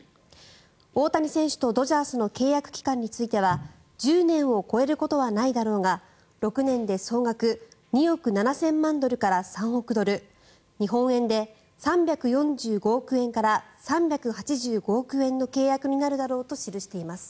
大谷選手とドジャースの契約期間については１０年を超えることはないだろうが６年で総額２億７０００万ドルから３億ドル日本円で３４５億円から３８５億円の契約になるだろうと記しています。